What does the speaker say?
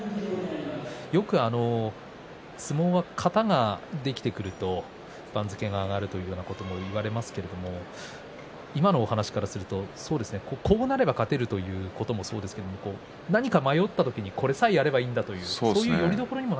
よく相撲は型ができてくると番付が上がるということが言われますけれども今のお話からするとこうなれば勝てるということもそうですけれども何か迷った時にこれさえやればいいんだっていうか